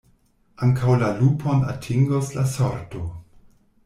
Ankaŭ la lupon atingos la sorto.